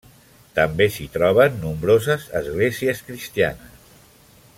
També s'hi troben nombroses esglésies cristianes.